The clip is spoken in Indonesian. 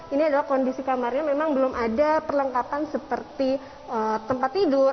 ini adalah kondisi kamarnya memang belum ada perlengkapan seperti tempat tidur